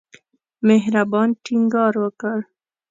مهربان ټینګار وکړ.